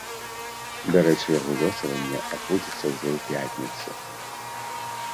Дарэчы, яго лёсаванне адбудзецца ўжо ў пятніцу.